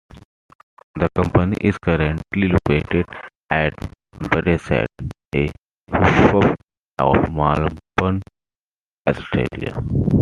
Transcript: The company is currently located at Braeside, a suburb of Melbourne, Australia.